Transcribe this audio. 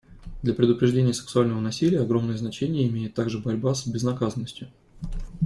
Для предупреждения сексуального насилия огромное значение имеет также борьба с безнаказанностью.